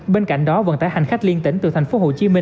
bên cạnh đó vận tải hành khách liên tỉnh từ tp hcm